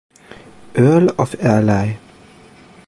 Earl of Airlie.